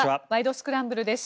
スクランブル」です。